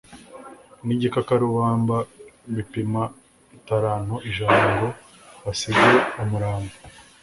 n'igikakarubamba bipima italanto ijana ngo basige umurambo.